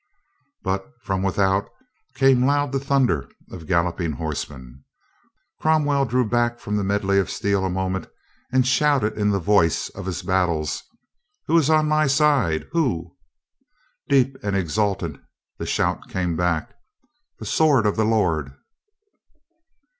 But from without came loud the thunder of galloping horsemen. Cromwell drew back from the medley of steel a moment, and shouted in the voice of his battles: "Who is on my side? Who?" Deep and exultant the shout came back: "The sword of the Lord!"